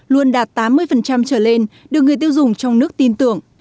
luôn đạt tám mươi trở lên được người tiêu dùng trong nước tin tưởng